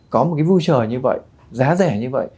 có một cái vui chờ như vậy giá rẻ như vậy